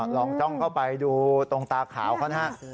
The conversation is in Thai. ลองจ้องเข้าไปดูตรงตาขาวข้างหน้า